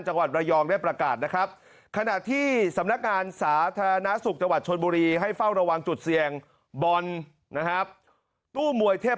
จังหวัดระยองได้ประกาศนะครับขณะที่สำนักงานสาธารณสุข